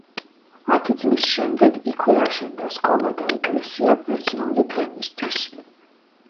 ათი წლის შემდეგ იქვე აშენდა სკოლა და ეკლესია ბერძნული თემისთვის.